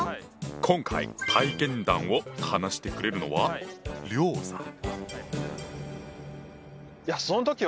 今回体験談を話してくれるのは梁さん。